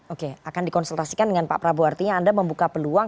oke akan dikonsultasikan dengan pak prabowo artinya anda membuka peluang